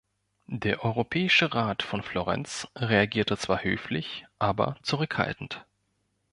Der Europäische Rat von Florenz reagierte zwar höflich, aber zurückhaltend!